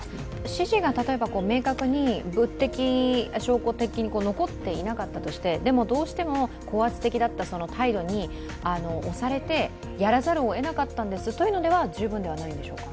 指示が例えば明確に物的、証拠的に残っていなかったとして、でも、どうしても高圧的だった態度に押されてやらざるをえなかったんですというのでは十分ではないですか？